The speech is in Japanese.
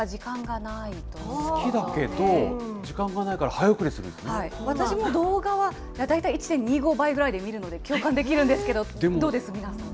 好きだけど、時間がないから、私も動画は、大体１．２５倍くらいで見るので、共感できるんですけど、どうです、皆さん。